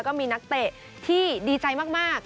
ก็มีนักเตะที่ดีใจมาก